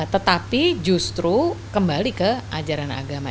tetapi justru kembali ke ajaran agama